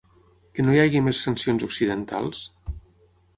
Que no hi hagi més sancions occidentals?